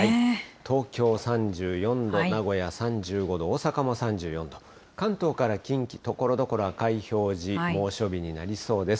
東京３４度、名古屋３５度、大阪も３４度、関東から近畿、ところどころ赤い表示、猛暑日になりそうです。